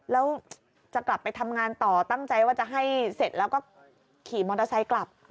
แล้วจะกลับไปทำงานต่อตั้งใจว่าจะให้เสร็จแล้วก็ขี่มอเตอร์ไซค์กลับ